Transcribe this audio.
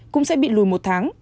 cũng sẽ bị lùi một tháng